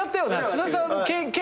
津田さん。